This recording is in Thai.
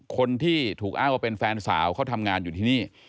คนที่ถูกอ้างว่าเป็นแฟนสาวเขาทำงานอยู่ที่นี่